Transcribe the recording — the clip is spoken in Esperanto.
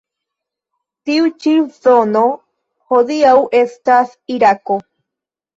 Tiu ĉi zono hodiaŭ estas Irako.